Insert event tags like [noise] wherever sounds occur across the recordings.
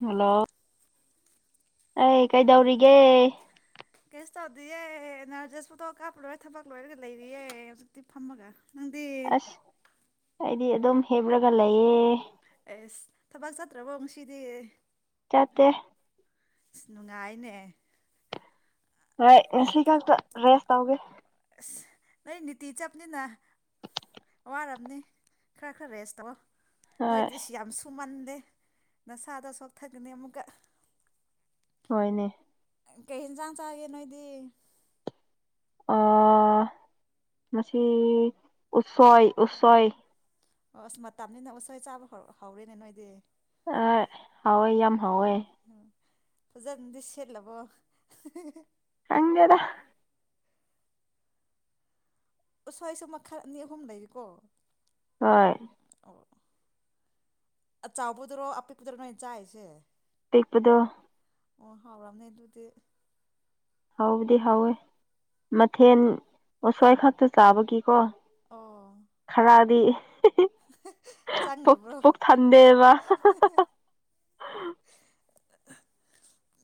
Hello. ꯑꯩ ꯀꯩꯗꯧꯔꯤꯒꯦ꯫ ꯀꯦꯁꯨ ꯇꯧꯗꯤꯌꯦ ꯑꯦꯅꯥꯔꯖꯦꯁ ꯐꯣꯇꯣ ꯀꯥꯞꯄ ꯂꯣꯏꯔ ꯊꯕꯛ ꯂꯣꯏꯔꯒ ꯂꯩꯔꯤꯌꯦ ꯍꯧꯖꯤꯛꯇꯤ ꯐꯝꯃꯒ꯫ ꯅꯪꯗꯤ ꯑꯁ ꯑꯩ ꯗꯤ ꯑꯗꯨꯝ ꯍꯤꯞꯂꯒ ꯂꯩꯌꯦ ꯊꯕꯛ ꯆꯥꯠꯇ꯭ꯔꯕꯣ ꯉꯁꯤꯗꯤ ꯆꯠꯇꯦ ꯑꯁ ꯅꯨꯡꯉꯥꯏꯅꯦ ꯍꯣꯏ ꯉꯁꯤ ꯈꯛꯇ ꯔꯦꯁ ꯇꯧꯒꯦ ꯑꯁ ꯅꯣꯏ ꯅꯤꯇꯤ ꯆꯞꯅꯤꯅ ꯋꯥꯔꯝꯅꯤ ꯈꯔ ꯈꯔ ꯔꯦꯁ ꯇꯧꯑꯣ ꯍꯣꯏ ꯅꯣꯏꯗꯤꯁꯤ ꯌꯥꯝ ꯁꯨꯃꯟ ꯅꯁꯥꯗ ꯁꯣꯛꯊꯒꯅꯤ ꯑꯃꯨꯛꯀ ꯍꯣꯏꯅꯦ ꯀꯩ ꯌꯦꯟꯁꯥꯡ ꯆꯥꯒꯦ ꯅꯣꯏꯗꯤ ꯑ ꯉꯁꯤ ꯎꯁꯣꯏ ꯎꯁꯣꯏ ꯑꯁ ꯃꯇꯝꯅꯤꯅ ꯎꯁꯣꯏ ꯆꯥꯕ ꯍꯧ ꯍꯧꯔꯦꯅꯦ ꯅꯣꯏꯗꯤ ꯍꯥꯎꯑꯦ ꯌꯥꯝ ꯍꯥꯎꯋꯦ ꯐꯖꯅꯥꯗꯤ ꯁꯦꯠꯂꯥꯕꯣ ꯍꯪꯗꯦꯗ ꯎꯁꯣꯏꯁꯨ ꯃꯈꯜ ꯑꯅꯤ ꯑꯍꯨꯝ ꯂꯩꯔꯤꯀꯣ ꯍꯣꯏ ꯑꯆꯥꯎꯕꯥꯗꯨꯔꯣ ꯑꯄꯤꯛꯄꯗꯔꯣ ꯅꯣꯏ ꯆꯥꯏꯁꯦ ꯄꯤꯛꯄꯗꯣ ꯑꯣ ꯍꯥꯥꯎꯔꯝꯅꯤ ꯗꯨꯗꯤ ꯍꯥꯎꯕꯨꯗꯤ ꯍꯥꯎꯋꯦ ꯃꯊꯦꯜ ꯎꯁꯣꯏ ꯈꯛꯇ ꯆꯥꯕꯒꯤ ꯀꯣ ꯑꯣ ꯊꯜꯂꯥꯗꯤ ꯄꯨꯛ ꯆꯪꯗꯕ꯭ꯔꯣ ꯄꯨꯛ ꯊꯟꯗꯦꯕ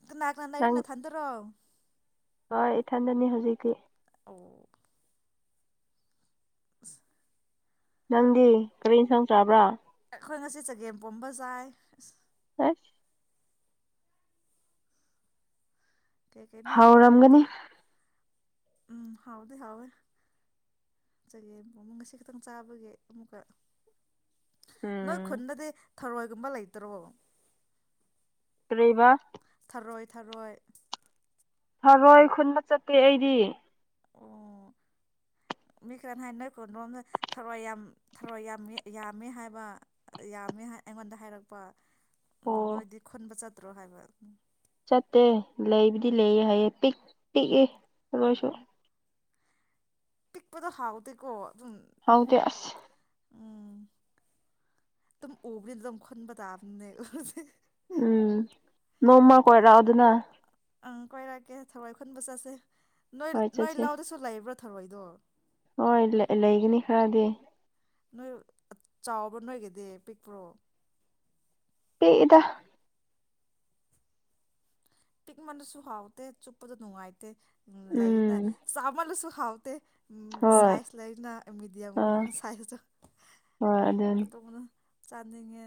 ꯀꯅꯥ ꯀꯅꯥ ꯂꯩꯔꯤꯞ ꯅꯪ ꯅꯊꯟꯗꯔꯣ ꯍꯣꯏ ꯏꯊꯟꯗꯅꯤ ꯍꯧꯖꯤꯛꯇꯤ ꯑꯣ [inaudible] ꯅꯪꯗꯤ ꯀꯔꯤ ꯏꯟꯁꯥꯡ ꯆꯥꯕ꯭ꯔꯥ ꯑꯩꯈꯣꯏ ꯉꯁꯤ ꯆꯒꯦꯝ ꯄꯣꯝꯕ ꯆꯥꯏ ꯍꯦꯁ ꯀꯦꯀꯦꯅꯣ ꯇꯦꯒꯤꯜ ꯊꯥ ꯍꯥꯎꯔꯝꯒꯅꯤ ꯎꯝ ꯍꯥꯎꯗꯤ ꯍꯥꯎꯋꯦ ꯆꯒꯦꯝ ꯄꯣꯡꯕ ꯉꯁꯤ ꯈꯤꯇꯪ ꯆꯥꯕꯒꯤ ꯑꯃꯨꯛꯀ ꯅꯣꯏ ꯎꯝ ꯈꯨꯟꯗꯗꯤ ꯊꯔꯣꯏꯒꯨꯝꯕ ꯂꯩꯇꯔꯣ ꯀꯔꯤꯕ ꯊꯔꯣꯏ ꯊꯔꯣꯏ ꯊꯔꯣꯏ ꯈꯨꯟꯕ ꯆꯠꯇꯦ ꯑꯩꯗꯤ ꯑꯣ ꯃꯤ ꯈꯔꯅ ꯍꯥꯏ ꯅꯣꯏ ꯈꯨꯟꯔꯣꯝꯗ ꯊꯔꯣꯏ ꯌꯥꯝ ꯊꯔꯣꯏ ꯌꯥꯝꯃꯤ ꯌꯥꯝꯃꯦ ꯍꯥꯏꯕ ꯌꯥꯝꯃꯦ ꯍꯥ ꯑꯩꯉꯣꯟꯗ ꯍꯥꯏꯔꯛꯄ ꯑꯗꯣ ꯑꯣ ꯅꯣꯏꯗꯤ ꯈꯨꯟꯕ ꯆꯠ ꯇ꯭ꯔꯣ ꯍꯥꯏꯕ ꯎꯝ ꯆꯠꯇꯦ ꯂꯩꯕꯨꯗꯤ ꯂꯩꯌꯦ ꯍꯥꯏꯌꯦ ꯄꯤꯛ ꯄꯤꯛꯏ꯫ ꯊꯔꫭꯏꯁꯨ ꯄꯤꯛꯄꯗꯣ ꯍꯥꯎꯇꯦꯀꯣ꯫ ꯑꯗꯨꯝ ꯍꯥꯎꯇꯦ ꯑꯁ꯫ ꯎꯝ ꯇꯨꯝ ꯎꯕꯅꯤꯅ ꯑꯗꯨꯝ ꯈꯨꯟꯕ ꯇꯥꯕꯅꯦ꯫ ꯎꯝ ꯅꯣꯡꯃ ꯀꯣꯏꯔꯛꯑꯣꯗꯅ꯫ ꯑꯪ ꯀꯣꯏꯔꯛꯀꯦ ꯊꯔꯣꯏ ꯈꯨꯟꯕ ꯆꯠꯁꯦ꯫ ꯅꯣꯏ ꯍꯣꯏ ꯅꯣꯏ ꯆꯠꯁꯦ ꯂꯧꯗꯁꯨ ꯂꯩꯕ꯭ꯔꯣ꯫ ꯊꯔꯣꯏꯗꯣ ꯍꯣꯏ ꯂꯩ ꯂꯩꯒꯅꯤ ꯈꯔꯗꯤ꯫ ꯅꯣꯏ ꯆꯥꯎꯕ꯭ꯔꯣ ꯅꯣꯏꯒꯤꯗꯤ ꯄꯤꯛꯄ꯭ꯔꯣ꯫ ꯄꯤꯛꯏꯗ꯫ ꯄꯤꯛꯃꯟꯅꯁꯨ ꯍꯥꯎꯇꯦ ꯆꯨꯞꯄꯗꯨ ꯅꯨꯡꯉꯥꯢ ꯇꯦ ꯂꯩꯌꯦꯅ ꯎꯝ ꯆꯥꯃꯜꯂꯁꯨ ꯍꯥꯎꯇꯦ꯫ ꯎꯝ ꯍꯣꯏ ꯁꯥꯏꯁ ꯂꯩꯌꯦꯅ ꯃꯤꯗꯤꯌꯝ ꯑꯥ ꯁꯥꯏꯁꯇꯣ ꯍꯣꯏ ꯑꯗꯨꯅꯤ ꯑꯗꯨꯒꯨꯝꯗꯣ꯫ ꯆꯥꯅꯤꯡꯉꯦ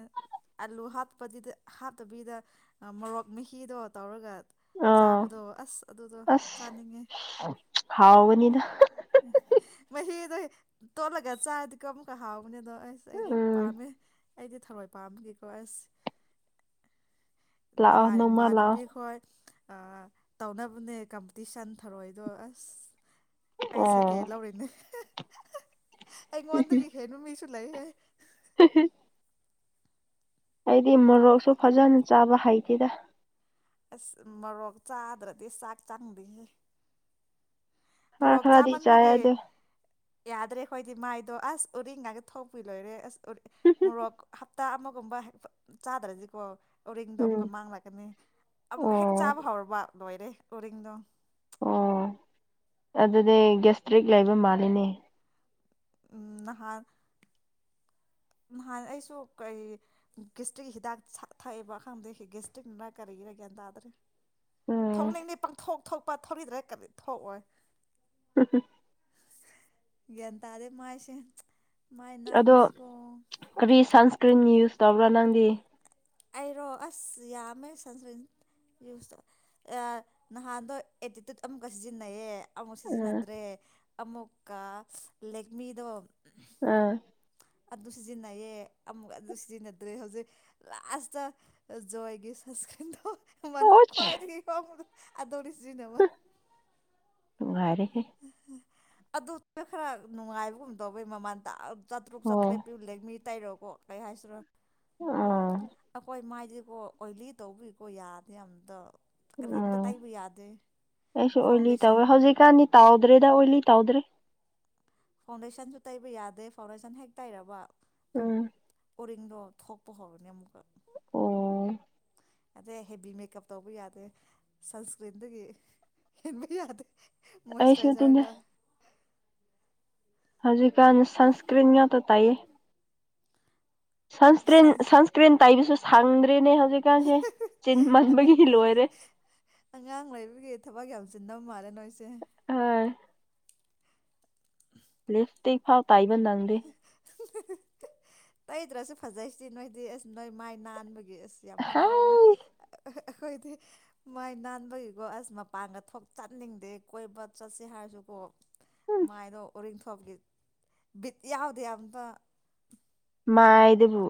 ꯑꯥꯂꯨ ꯍꯥꯞꯄꯗꯤꯗ ꯍꯥꯞꯇꯕꯤꯗ ꯑꯥ ꯃꯣꯔꯣꯛ ꯃꯍꯤꯗꯣ ꯇꯧꯔꯒ ꯑꯥ ꯆꯥꯕꯗꯣ ꯑꯁ ꯑꯗꯨꯗꯣ ꯑꯁ ꯆꯥꯅꯤꯡꯉꯦ ꯍꯥꯎꯒꯅꯤꯗ ꯃꯍꯤꯗꯣ꯫ ꯇꯣꯠꯂꯒ ꯆꯥꯔꯗꯤꯀꯣ ꯑꯃꯨꯛꯀ ꯍꯥꯎ ꯃꯅꯦꯗꯣ ꯑꯩꯁ ꯑꯩꯗꯤ ꯎꯝ ꯄꯥꯝꯃꯦ꯫ ꯑꯩꯗꯤ ꯊꯔꫭꯏ ꯄꯥꯝꯕꯒꯤ ꯀꯣ ꯑꯁ ꯂꯥꯛ ꯑꯣ ꯅꯣꯡꯃꯥ ꯂꯥꯛ ꯑꯣ꯫ ꯑ ꯇꯧꯅꯕꯅꯦ ꯀꯝꯄꯤꯇꯤꯁꯟ ꯊꯧꯔꯣꯏꯗꯣ ꯑꯁ꯫ ꯑꯩ ꯁꯀꯦꯟ ꯑꯣ ꯂꯧꯔꯤꯅꯦ꯫ ꯑꯩꯉꫭꯟꯗꯒꯤ ꯍꯦꯟꯕ ꯃꯤꯁꯨ ꯂꯩꯌꯦ [inaudible] [unintelligible] ꯑꯩꯗꯤ ꯃꯣꯔꯣꯛꯁꯨ ꯐꯖꯅ ꯆꯥꯕ ꯍꯩꯇꯦꯗ꯫ ꯑꯁ ꯃꯣꯔꯣꯛ ꯆꯥꯗ꯭ꯔꯗꯤ ꯆꯥꯛ ꯆꯪꯗꯦꯍꯦ꯫ ꯈꯔꯥ ꯃꯣꯔꯣꯛ ꯈꯔꯗꯤ ꯆꯥꯃꯟꯕꯒꯤ ꯆꯥꯌꯥꯗꯦ꯫ ꯌꯥꯗ꯭ꯔꯦ ꯑꯩꯈꯣꯏꯗꯤ ꯃꯥꯏꯗꯣ ꯑꯁ ꯎꯔꯤꯡꯅꯒ ꯊꯣꯛꯄꯤ ꯂꯣꯏꯔꯦ ꯑꯁ ꯎ ꯃꯣꯔꯣꯛ ꯍꯞꯇꯥ ꯑꯃꯒꯨꯝꯕ ꯆꯥꯗ꯭ꯔꯗꯤꯀꯣ ꯎꯔꯤꯡꯗꯣ ꯎꯝ ꯑꯃꯨꯛꯀ ꯃꯥꯡꯂꯛꯀꯅꯤ ꯑꯃꯨꯛꯀ ꯍꯦꯛ ꯑꯣ ꯆꯥꯕ ꯍꯧꯔꯕ ꯂꯣꯏꯔꯦ꯫ ꯎꯔꯤꯡꯗꫭ ꯑꯣ ꯑꯗꯨꯗꯤ ꯒꯦꯁꯇ꯭ꯔꯤꯛ ꯂꯩꯕ ꯃꯥꯜꯂꯤꯅꯦ꯫ ꯅꯍꯥꯟ ꯅꯍꯥꯟ ꯑꯩꯁꯨ ꯀꯔꯤ ꯒꯤꯁꯇ꯭ꯔꯤꯛ ꯍꯤꯗꯥꯛ ꯊꯛꯏꯕ ꯑꯈꯥꯡꯗꯦ ꯒꯤꯁꯇ꯭ꯔꯤꯛꯅꯔ ꯀꯔꯤꯒꯤꯔ ꯒ꯭ꯌꯥꯟ ꯇꯥꯗ꯭ꯔꯦ ꯎꯝ ꯊꯣꯛꯅꯤꯡꯗꯦ ꯄꯥꯡꯊꯣꯛ ꯊꯣꯛꯄ ꯊꯧꯅꯤꯡꯗ꯭ꯔꯦ ꯀꯔꯤ ꯊꯣꯛꯑꯣꯏ ꯒ꯭ꯌꯥꯟ ꯇꯥꯗꯦ ꯃꯥꯏꯁꯦ꯫ ꯃꯥꯌ ꯑꯗꯣ ꯅꯝꯥꯁ‌ꯦ ꯀꯔꯤ ꯁꯟꯁ ꯊꯨꯏꯅꯨꯁ ꯇꯧꯕ꯭ꯔꯥ ꯅꯡꯒꯤ ꯑꯩꯔꯣ ꯑꯁ ꯌꯥꯝꯃꯦ ꯁꯟꯁꯀ꯭ꯔꯤꯟ ꯌꯨꯁꯧ ꯅꯍꯥꯟꯗꯣ ꯑꯦꯇꯤꯇ꯭ꯌꯨꯠ ꯑꯃꯨꯛꯀ ꯁꯤꯖꯤꯟꯅꯩꯌꯦ ꯑꯃꯨꯛ ꯎꯝ ꯁꯤꯖꯤꯟꯅꯗ꯭ꯔꯦ ꯑꯃꯨꯛꯀ ꯂꯦꯛꯃꯤꯗꯣ ꯎꯝ ꯑꯗꯨ ꯁꯤꯖꯤꯟꯅꯩꯑꯌꯦ ꯑꯃꯨꯛ ꯑꯗꯨ ꯁꯤꯖꯤꯟꯅꯗ꯭ꯔꯦ ꯍꯧꯖꯤꯛ ꯂꯥꯁꯇ ꯑꯥꯖꯣꯏꯒꯤ ꯁꯦꯒꯤꯟ ꯍꯣ ꯃꯥꯃꯟ ꯑꯣꯁ ꯈꯋꯥꯥꯏꯗꯒꯤ ꯍꯣꯡꯕꯗꯨ ꯑꯗ‌ꯧꯔꯤ ꯁꯤꯖꯤꯅꯕꯥ ꯅꯨꯉꯥꯏꯔꯤ [unintelligible] ꯑꯗꯨꯅꯥ ꯈꯔ ꯅꯨꯡꯉꯥꯏꯕꯒꯨꯝ ꯇꯧꯏ ꯃꯃꯜ ꯇꯥꯛ ꯆꯥꯇꯔꯨꯛ ꯑꯣ ꯆꯥꯇꯥꯔꯦꯠ ꯄꯤ ꯂꯩꯒꯃꯤꯠ ꯇꯥꯏꯔꯣꯀꯣ ꯀꯩ ꯍꯥꯏꯁꯤꯔꯣ ꯎꯃ ꯑꯥ ꯑꯩꯈꯣꯏ ꯃꯥꯏꯗꯤ ꯀꯣ ꯑꯣꯏꯂꯤ ꯇꯧꯕꯤꯀꯣ ꯌꯥꯗꯦ ꯑꯝꯇ ꯎꯝ ꯀꯔꯤꯝꯇ ꯇꯩꯕ ꯌꯥꯗꯦ ꯑꯩꯁꯨ ꯑꯣꯏꯂꯤ ꯐꯥꯎꯟꯗꯦꯁꯟ ꯇꯧꯋꯦ ꯍꯧꯖꯤꯛꯀꯥꯟꯅꯤ ꯇꯥꯎꯗ꯭ꯔꯦꯗ ꯑꯣꯏ ꯂꯤ ꯇꯥꯎꯗ꯭ꯔꯦ ꯐꯥꯎꯟꯗꯦꯁꯟꯁꯨ ꯇꯩꯕ ꯌꯥꯗꯦ ꯐꯥꯎꯟꯗꯦꯁꯟ ꯍꯦꯛ ꯇꯩꯔꯕ ꯎꯝ ꯑꯣꯔꯤꯡꯗꯣ ꯊꯣꯛꯄ ꯍꯧꯔꯅꯤ ꯑꯃꯨꯛꯀ ꯑꯣ ꯑꯗꯩ ꯍꯦꯚꯤ ꯃꯦꯀꯞ ꯇꯧꯕ ꯌꯥꯗꯦ ꯁꯟꯁꯀ꯭ꯔꯤꯟꯗꯒꯤ ꯍꯦꯟꯕ ꯌꯥꯗꯦ ꯑꯩꯁꯨ ꯑꯗꯨꯅꯦ ꯃꯣꯏꯁꯆꯔꯥꯏꯖꯔꯒ ꯍꯧꯖꯤꯛꯀꯟ ꯁꯟꯁꯀ꯭ꯔꯤꯟ ꯉꯛꯇ ꯇꯤꯏꯌꯦ ꯁꯟꯁꯀ꯭ꯔꯤꯟ ꯁꯟ ꯁꯟꯁꯀ꯭ꯔꯤꯟ ꯇꯥꯏꯕꯤꯁꯨ ꯐꯪꯗ꯭ꯔꯦꯅꯦ ꯍꯧ ꯍꯧꯖꯤꯛꯀꯟꯁꯦ ꯆꯤꯟ ꯑꯉꯥꯡ ꯃꯟꯕꯒꯤ ꯂꯣꯏꯔꯦ ꯁꯤꯟꯕ ꯃꯥꯜꯂꯦ ꯅꯣꯏꯁꯦ ꯑꯥ ꯂꯤꯞ ꯏꯁꯇꯤꯛ ꯐꯥꯎ ꯇꯥꯏꯕ ꯅꯪꯗꯦ ꯇꯩꯗ꯭ꯔꯁꯨ ꯐꯖꯩꯁꯤ ꯅꯣꯏꯗꯤ ꯑꯁ ꯅꯣꯏ ꯃꯥꯏ ꯅꯥꯟꯕꯒꯤ ꯏꯁ ꯌꯥꯝ ꯍꯥꯔꯥꯎꯑꯣ ꯍꯥꯏ ꯑꯩꯈꯣꯏꯗꯤ ꯃꯥꯏ ꯅꯥꯟꯕꯒꯤꯀꯣ ꯑꯁ ꯃꯄꯥꯟꯒ ꯊꯣꯛ ꯆꯠꯅꯤꯡꯗꯦ ꯀꯣꯏꯕ ꯆꯠꯁꯤ ꯍꯥꯏꯔꯁꯨꯀꯣ ꯎꯝ ꯃꯥꯥꯏꯗꯣ ꯑꯣꯏ ꯕꯤꯠ ꯌꯥꯎꯗꯦ ꯑꯃꯇ ꯃꯥꯥꯏꯗꯕꯨꯨ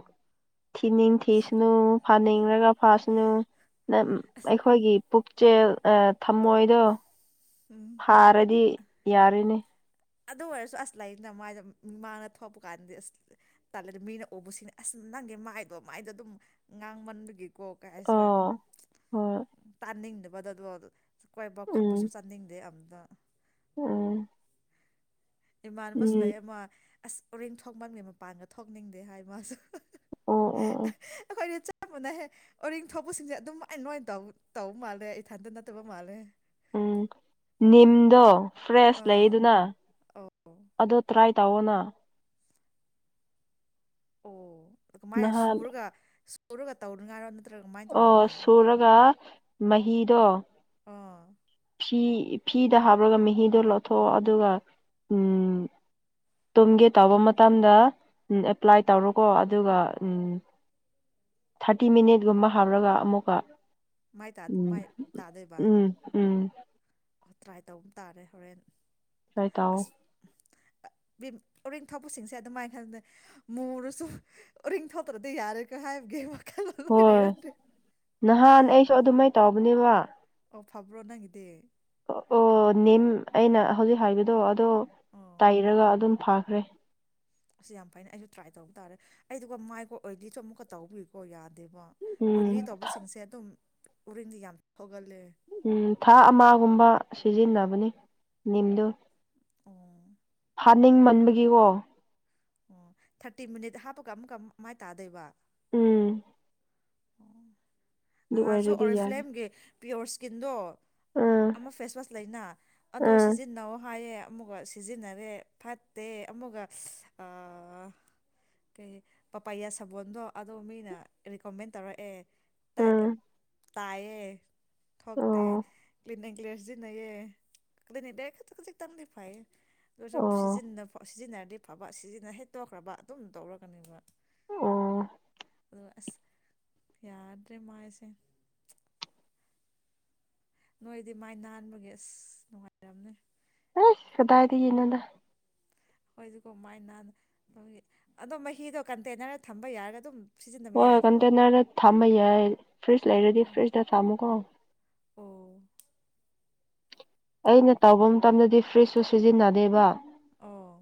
ꯊꯤꯅꯤꯡ ꯑꯁ ꯊꯤꯁꯅꯨ ꯐꯥꯅꯤꯡꯔꯒ ꯐꯥꯁꯤꯅꯨ ꯅ ꯑꯩꯈꯣꯏꯒꯤ ꯄꯨꯛꯆꯦꯜ ꯊꯝꯃꯣꯏꯗꯣ ꯐꯔꯗꯤ ꯌꯥꯔꯦꯅꯦ ꯑꯗꯨ ꯑꯣꯏꯔꯁꯨ ꯑꯁ ꯂꯥꯏꯔꯤꯡꯗ ꯃꯥꯏꯗ ꯃꯤꯃꯥꯡꯗ ꯊꯣꯛꯄ ꯀꯥꯟꯗꯗꯤ ꯑꯁ ꯇꯥꯂ ꯃꯤꯅ ꯎꯕꯁꯤꯡꯅꯤ ꯑꯁ ꯅꯪꯒꯤ ꯃꯥꯏꯗꯣ ꯃꯥꯏꯗꯣ ꯑꯗꯨꯝ ꯉꯥꯡꯃꯟꯕꯒꯤ ꯀꯣ ꯀꯔꯤ ꯍꯥꯏꯁꯤꯔꯥ ꯑꯣ ꯍꯣꯏ ꯇꯥꯅꯤꯡꯗ ꯃꯕ ꯑꯗꯨ ꯀꯣꯏꯕ ꯎꯝ ꯈꯣꯠꯄꯁꯨ ꯆꯥꯅꯤꯡꯗꯦ ꯑꯝ ꯗ [unintelligible] ꯎꯝ ꯏꯃꯥꯟ ꯑꯃꯁꯨ ꯎꯝ ꯂꯩ ꯑꯃ ꯑꯁ ꯎꯔꯤꯡ ꯊꯣꯛꯃꯟꯒꯤ ꯃꯄꯥꯟꯒ ꯊꯣꯛꯅꯤꯡꯗꯦ ꯍꯥꯏ ꯃꯥꯁꯨ ꯑꯣ ꯑꯣ ꯑꯣ ꯑꯩꯈꯣꯏꯅ ꯃꯅꯩ ꯑꯣꯔꯤꯡ ꯊꯣꯛꯄꯁꯤꯡꯁꯦ ꯑꯗꯨꯝ ꯃꯥꯏ ꯅꯥꯏꯅ ꯂꯣꯏ ꯇꯧꯕ ꯃꯥꯜꯂꯦ ꯑꯩ ꯏꯊꯟꯇ ꯅꯠꯇꯕ ꯃꯥꯜꯂꯦ ꯎꯝ ꯅꯤꯝꯗꯣ ꯐ꯭ꯔꯦꯁ ꯑꯥ ꯂꯩꯗꯨꯅ ꯑꯧ ꯑꯣ ꯇ꯭ꯔꯥꯏ ꯇꯧꯅ ꯑꯣ ꯑꯗꯨ ꯃꯥꯏꯅ ꯅꯍꯥꯟ ꯁꯨꯔꯒ ꯇꯧꯔꯒ ꯇꯧꯔ ꯉꯥꯏꯔꯣꯟꯗ ꯑꯣ ꯁꯨꯔꯤꯒ ꯃꯍꯤꯗꯣ ꯑꯥ ꯐꯤ ꯐꯤꯗ ꯍꯥꯞꯄꯂꯒ ꯃꯍꯤꯗꯣ ꯂꯧꯊꯣꯛꯑꯣ ꯑꯗꯨꯒ ꯇꯨꯝꯒꯦ ꯇꯥꯧꯕ ꯃꯇꯝꯗ ꯑꯦꯞꯄ꯭ꯂꯥꯏ ꯇꯧꯔꯣꯀꯣ ꯑꯗꯨꯒ ꯊꯥꯔꯇꯤ ꯃꯤꯅꯤꯠꯒꯨꯝꯕ ꯍꯥꯞꯔꯒ ꯑꯃꯨꯛꯀ ꯃꯥꯏ ꯎꯝ ꯇꯥꯗꯣꯏꯕ ꯎꯝ ꯎꯝ ꯇ꯭ꯔꯥꯏ ꯇꯧꯕ ꯇꯥꯔꯦ ꯍꯣꯔꯦꯟ ꯆꯥꯏ ꯇꯑꯣ ꯑꯁ ꯎꯔꯤꯡ ꯊꯣꯛꯄꯁꯤꯡꯁꯦ ꯑꯗꯨꯃꯥꯏꯅ ꯈꯟꯗꯦ ꯃꯨꯔꯁꯨ ꯎꯔꯤꯡ ꯊꯣꯛꯇ꯭ꯔꯗꯤ ꯌꯥꯔꯦꯀꯣ ꯍꯥꯏꯕꯒꯤ ꯋꯥꯈꯜꯂꯣꯟ ꯂꯣꯏ ꯍꯣꯏ ꯂꯩꯔꯝꯗ꯭ꯔꯦ ꯅꯍꯥꯟ ꯑꯩꯁꯨ ꯑꯗꯨꯃꯥꯏ ꯇꯧꯕꯅꯦꯕ ꯑꯣ ꯐꯥꯕ꯭ꯔꯣ ꯅꯒꯤꯦꯗꯦ ꯑꯣ ꯅꯤꯝ ꯑꯩꯅ ꯍꯧꯖꯤꯛ ꯍꯥꯏꯕꯗꯣ ꯑꯗꯣ ꯑꯣ ꯇꯥꯏꯔꯒ ꯑꯗꯨꯝ ꯐꯥꯈ꯭ꯔꯦ ꯑꯁꯤ ꯌꯥꯝ ꯐꯩ ꯑꯩꯁꯨ ꯇ꯭ꯔꯥꯏ ꯇꯧꯕ ꯇꯥꯔꯦ ꯑꯩꯗꯨꯒ ꯃꯥꯏꯒ ꯑꯣꯏꯂꯤꯁꯨ ꯑꯃꯨꯛꯀ ꯇꯧꯕꯤꯌꯨꯀꯣ ꯌꯥꯅꯤ ꯑꯗꯨꯕꯣ ꯎꯝ ꯑꯣꯏꯂꯤ ꯇꯧꯕꯁꯤꯡꯁꯦ ꯑꯗꯨꯝ ꯎꯔꯤꯡꯗꯤ ꯌꯥꯝ ꯊꯒꯜꯂꯦ ꯎꯝ ꯊꯥ ꯑꯃꯒꯨꯝꯕ ꯁꯤꯖꯤꯟꯅꯕꯅꯤ ꯅꯤꯝꯗꯨ ꯑꯣ ꯍꯥꯅꯤꯡ ꯃꯟꯕꯒꯤꯀꯣ ꯑꯣ ꯊꯥꯔꯇꯤ ꯃꯤꯅꯤꯠ ꯍꯥꯞꯄꯒ ꯑꯃꯨꯛꯀ ꯃꯥꯏ ꯇꯥꯗꯣꯏꯕ ꯎꯝ ꯑꯗꯨ ꯅꯍꯥꯁꯨ ꯑꯣꯏꯔꯗꯤ ꯌꯥꯔꯦ ꯑꯣꯔꯐ꯭ꯂꯦꯝꯒꯤ ꯄꯤꯌꯣꯔ ꯏꯁꯀꯤꯟꯗꯣ ꯎꯝ ꯑꯃ ꯐꯦꯁꯋꯥꯁ ꯂꯩꯅ ꯑꯗꯣ ꯎꯝ ꯁꯤꯖꯤꯟꯅꯧ ꯍꯥꯏꯌꯦ ꯑꯃꯨꯒ ꯁꯤꯖꯤꯟꯅꯔꯦ ꯐꯠꯇꯦ ꯑꯃꯒ ꯀꯩ ꯄꯄꯥꯌꯥ ꯁꯥꯕꯣꯟꯗꯣ ꯑꯗꯣ ꯃꯤꯅ ꯔꯤꯀꯃꯦꯟ ꯇꯧꯔꯛꯑꯦ ꯇꯥꯏ ꯎꯝ ꯇꯌꯦ ꯍꯇꯦ ꯑꯣ ꯀ꯭ꯂꯤꯌꯥꯅꯤꯛ [unintelligible] ꯀꯦꯁꯖꯤ ꯅꯌꯦ ꯀꯅꯤ ꯗꯦ ꯀ ꯀꯖꯤ ꯇꯥꯡꯂꯤ ꯐꯥꯏ ꯁꯨ ꯑꯣ ꯁꯤꯖꯤꯟꯅ ꯁꯤꯖꯤꯟꯅꯔ ꯗꯤꯐꯕ ꯁꯤꯖꯤꯟꯅ ꯍꯦꯛꯇꯣꯛꯈ꯭ꯔꯕ ꯑꯗꯨꯝ ꯇꯧꯔꯒꯅꯦꯕ ꯑꯥ ꯑ ꯑꯁ ꯌꯥꯗ꯭ꯔꯦ ꯃꯥꯌꯁꯦ ꯅꯣꯏꯗꯤ ꯃꯥꯏ ꯅꯥꯟꯕꯒꯤ ꯑꯁ ꯅꯨꯡꯉꯥꯏꯔꯝꯅꯦ ꯀꯗꯥꯏꯗ ꯏꯅꯥꯗ ꯍꯣꯏꯗꯤ ꯀꯃꯥꯏꯅ ꯑꯗꯣ ꯃꯍꯤꯗꯣ ꯀꯟꯇꯦꯟꯅꯔꯗ ꯊꯝꯕ ꯌꯥꯔꯒ ꯑꯗꯨꯝ ꯁꯤꯖꯤꯟꯅꯕ ꯍꯣꯏ ꯌꯥꯏꯗꯀꯣ ꯀꯟꯇꯦꯟꯅꯔꯗ ꯊꯥꯃꯩ ꯌꯥꯏ ꯐ꯭ꯔꯤꯖ ꯂꯩꯔꯗꯤ ꯑꯣ ꯐ꯭ꯔꯤꯖꯇ ꯊꯝꯃꯨꯀꯣ ꯑꯣ ꯑꯩꯅ ꯇꯧꯕ ꯃꯇꯝꯗꯗꯤ ꯐ꯭ꯔꯤꯖꯁꯨ ꯁꯤꯖꯤꯟꯅꯗꯦꯕ ꯑꯣ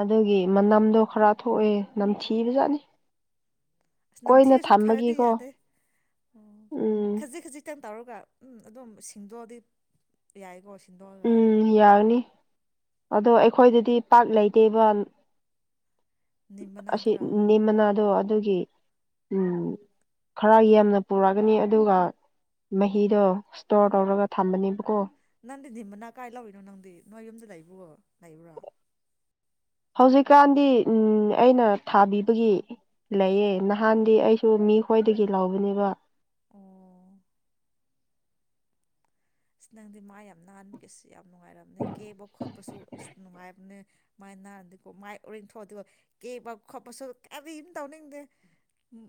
ꯑꯗꯨꯒꯤ ꯃꯅꯝꯗꯣ ꯈꯔ ꯊꯣꯛꯑꯦ ꯅꯝꯊꯤꯕꯖꯥꯠꯅꯤ ꯑꯁ ꯀꯣꯏꯅ ꯅꯝꯊꯤꯔꯁꯨ ꯐꯔꯗꯤ ꯊꯝꯕꯒꯤꯀꯣ ꯌꯥꯗꯦ ꯎꯝ ꯈꯖꯤꯛ ꯈꯖꯤꯛꯇꯪ ꯇꯧꯔꯒ ꯎꯝ ꯑꯗꯨꯝ ꯁꯤꯡꯗꯣꯛꯑꯗꯤ ꯌꯥꯏꯀꯣ ꯁꯤꯡꯗꯣꯛꯑꯒ ꯎꯝ ꯌꯥꯒꯅꯤ ꯑꯗꯣ ꯎꯝ ꯑꯩꯈꯣꯏꯗꯗꯤ ꯄꯥꯛ ꯂꯩꯇꯦꯕ ꯅꯤꯝ ꯑꯁꯤ ꯃꯅꯥꯗꯨꯔꯥ ꯅꯤꯝ ꯃꯅꯥꯗꫭ ꯑꯗꯨꯒꯤ ꯎꯝ ꯈꯔ ꯌꯥꯝꯅ ꯄꯨꯔꯛꯒꯅꯤ ꯑꯗꯨꯒ ꯃꯍꯤꯗꯣ ꯁꯇꯣꯔ ꯑꯣ ꯇꯧꯔꯒ ꯊꯝꯕꯅꯦꯕꯀꯣ ꯅꯪꯗꯤ ꯅꯤꯝ ꯃꯅꯥ ꯀꯥꯏ ꯂꯧꯔꯤꯅꯣ ꯅꯪꯗꯤ ꯅꯣꯏ ꯌꯨꯝꯗ ꯂꯩꯕ꯭ꯔꯣ ꯂꯩꯕ꯭ꯔꯥ ꯍꯧꯖꯤꯛꯀꯥꯟꯗꯤ ꯑꯩꯅ ꯊꯥꯕꯤꯕꯒꯤ ꯂꯩꯌꯦ ꯅꯍꯥꯟꯗꯤ ꯑꯩꯁꯨ ꯃꯤ ꯈꯣꯏꯗꯒꯤ ꯂꯧꯕꯅꯦꯕ ꯑꯣ ꯁ ꯅꯪꯗꯤ ꯃꯥꯏ ꯌꯥꯝ ꯅꯥꯟꯕꯒꯤ ꯑꯁ ꯌꯥꯝ ꯅꯨꯡꯉꯥꯏꯔꯕꯅꯦ ꯀꯦꯕ ꯈꯣꯠꯄꯁꯨ ꯑꯁ ꯅꯨꯡꯉꯥꯏꯕꯅꯦ ꯃꯥꯏ ꯅꯥꯟꯗꯦꯀꯣ ꯃꯥꯏ ꯑꯣꯔꯤꯡ ꯊꯣꯛꯑꯗꯤꯀꯣ ꯀꯦꯕ ꯈꯣꯠꯄꯁꯨ ꯀꯔꯤꯝ ꯇꯧꯅꯤꯡꯗꯦ ꯎꯝ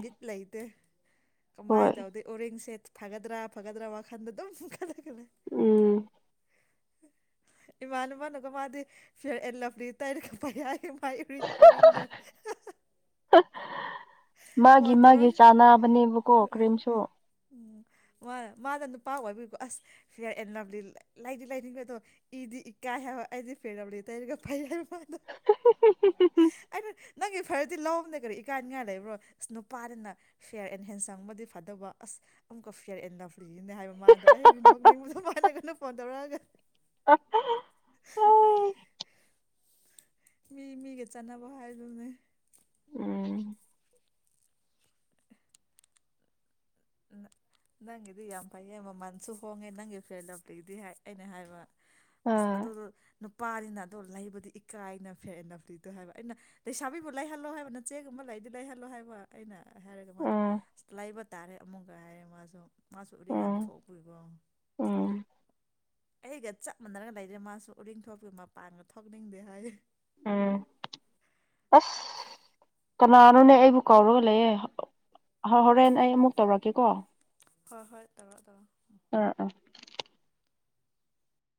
ꯕꯤꯠ ꯂꯩꯇꯦ ꯍꯣꯏ ꯀꯃꯥꯏꯗꯧꯗꯩ ꯑꯣꯔꯤꯁꯦ ꯐꯒꯗ꯭ꯔꯥ ꯐꯒꯗ꯭ꯔꯥ ꯋꯥꯈꯟꯗ ꯑꯗꯨꯝ ꯈꯜꯂꯒ ꯂꯩ ꯎꯝ ꯏꯃꯥꯟꯅꯕꯅꯀꫭ ꯃꯥꯗꯤ ꯐꯦꯔ ꯑꯦꯟ ꯂꯐꯂꯤ ꯇꯩꯔꯒ ꯐꯩ ꯍꯥꯏ ꯃꯥꯒꯤ ꯐꯣꯟ ꯃꯥꯒꯤ ꯇꯧꯔꯒ ꯆꯥꯅꯕꯅꯦꯕꯀꯣ ꯀ꯭ꯔꯤꯝꯁꯨ ꯎꯝ ꯃꯥ ꯃꯥꯅ ꯅꯨꯄꯥ ꯑꯣꯏꯕꯩꯀꫭ ꯑꯁ ꯐꯦꯔ ꯑꯦꯟ ꯂꯐꯂꯤ ꯂꯩꯗꯤ ꯂꯩꯅꯤꯡꯕꯗꯣ ꯏꯗꯤ ꯏꯀꯥꯏ ꯍꯥꯏꯕ ꯑꯩꯗꯤ ꯐꯦꯟ ꯂꯐꯂꯤ ꯇꯩꯔꯒ ꯐꯩ ꯍꯥꯏ ꯑꯗꯨ ꯑꯩꯅ ꯅꯪꯒꯤ ꯐꯔꯗꯤ ꯂꯧꯑꫭꯅꯦ ꯀꯔꯤ ꯏꯀꯥꯏꯅꯤꯡꯉꯥꯏ ꯂꯩꯕ ꯔꯣ ꯑꯁ ꯅꯨꯄꯥꯗꯤꯅ ꯐꯤꯌꯔ ꯑꯦꯟ ꯍꯦꯟꯁꯝ ꯒꯗꯤ ꯐꯗꯧꯕ ꯑꯁ ꯑꯃꯨꯛꯀ ꯐꯤꯌꯔ ꯑꯦꯟ ꯂꯐ ꯂꯤꯅꯦ ꯍꯥꯏꯕ ꯃꯥꯗꯣ ꯑꯩ ꯅꯣꯛꯅꯤꯡꯕꯗꯣ ꯃꯥꯅ ꯑꯩꯉꫭꯟꯗ ꯐꯣꯟ ꯇꯧꯔꯑꯒ [inaudible] ꯃꯤ ꯃꯤꯒ ꯆꯥꯟꯅꯕ ꯍꯥꯏꯗꯨꯅꯦ ꯎꯝ ꯅꯪꯒꯤꯗꯤ ꯌꯥꯝ ꯐꯩꯌꯦ ꯃꯃꯜꯁꯨ ꯍꯣꯡꯉꯦ ꯅꯪꯒꯤ ꯐꯦꯔ ꯂꯐꯂꯤꯗꯤ ꯍꯥꯏ ꯑꯩꯅ ꯍꯥꯏꯕ ꯑꯁ ꯑꯥ ꯑꯗꯨꯗꯨ ꯅꯨ ꯄꯥꯅꯤꯅ ꯑꯗꯣ ꯂꯩꯕꯗꯤ ꯏꯀꯥꯏꯅ ꯐꯦꯔ ꯑꯦꯟ ꯂꯐꯂꯤꯗꫭ ꯍꯥꯏꯕ ꯑꯩꯅ ꯂꯩꯁꯥꯕꯤꯕꯨ ꯂꯩꯍꯜꯂꯣ ꯍꯥꯏꯕ ꯅꯆꯦꯒꯨꯝꯕ ꯂꯩꯗꯤ ꯂꯩꯍꯜꯂꯣ ꯍꯥꯏꯕ ꯑꯩꯅ ꯍꯥꯔꯒ ꯃꯥꯅ ꯎꯝ ꯂꯩꯕ ꯇꯥꯔꯦ ꯑꯃꯨꯛꯀ ꯍꯥꯏꯔꯦ ꯃꯥꯁꯨ ꯃꯥꯁꯨ ꯎꯔꯤꯡ ꯌꯥꯝ ꯎꯝ ꯊꯣꯛꯄꯒꯤꯀꫭ ꯎꯝ ꯑꯩꯒ ꯆꯞ ꯃꯥꯟꯅꯔꯒ ꯂꯩꯔꯦ ꯃꯥꯁꯨ ꯎꯔꯤꯡ ꯊꯣꯛꯄꯒꯤ ꯃꯄꯥꯟꯒ ꯊꯣꯛꯅꯤꯡꯗꯦ ꯍꯥꯏ ꯎꯝ ꯑꯁ ꯀꯅꯥꯅꯣꯅꯦ ꯑꯩꯕꯨ ꯀꯧꯔꯒ ꯂꯩꯌꯦ ꯍ ꯍꯣꯔꯦꯟ ꯑꯩ ꯑꯃꯨꯛ ꯇꯧꯔꯛꯀꯦꯀꯣ ꯍꯣꯏ ꯍꯣꯏ ꯇꯧꯔꫭ ꯇꯧꯔꫭ ꯑꯥ ꯑꯥ